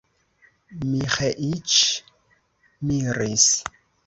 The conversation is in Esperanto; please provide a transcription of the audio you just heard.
Miĥeiĉ miris.